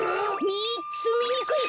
みっつみにくい